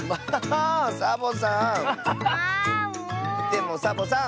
でもサボさん。